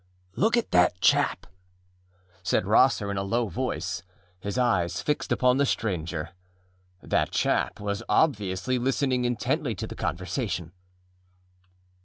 â âLook at that chap!â said Rosser in a low voice, his eyes fixed upon the stranger. That chap was obviously listening intently to the conversation.